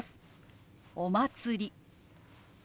「お祭り」。